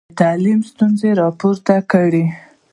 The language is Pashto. ازادي راډیو د تعلیم ستونزې راپور کړي.